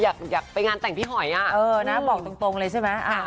อยากไปงานแต่งพี่หอยนะบอกตรงเลยใช่ไหม